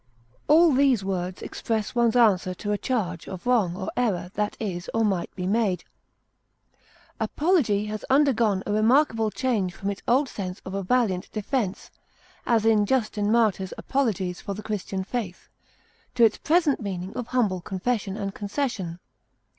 All these words express one's answer to a charge of wrong or error that is or might be made. Apology has undergone a remarkable change from its old sense of a valiant defense as in Justin Martyr's Apologies for the Christian faith to its present meaning of humble confession and concession.